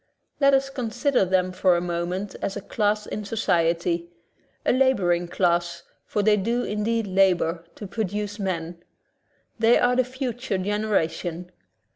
Let us consider them for a moment as a class in society, a laboring class, for they do indeed labor to produce men. They are the future generation.